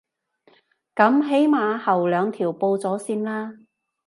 噉起碼後兩條報咗先啦